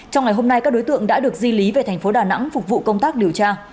trong ngày hôm nay các đối tượng đã được di lý về thành phố đà nẵng phục vụ công tác điều tra